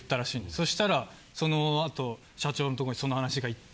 そしたらそのあと社長のとこにその話がいって。